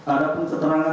ada pun keterangan